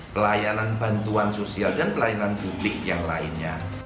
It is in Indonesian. pelayanan bantuan sosial dan pelayanan publik yang lainnya